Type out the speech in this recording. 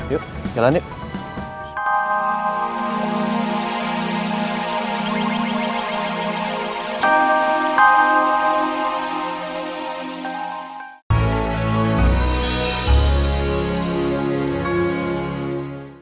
yuk jalan yuk